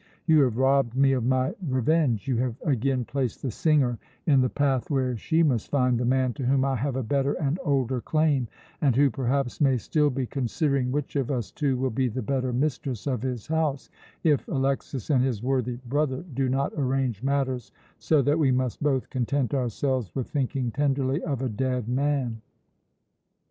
You have robbed me of my revenge; you have again placed the singer in the path where she must find the man to whom I have a better and older claim, and who perhaps may still be considering which of us two will be the better mistress of his house, if Alexas and his worthy brother do not arrange matters so that we must both content ourselves with thinking tenderly of a dead man.